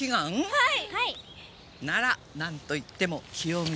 はい！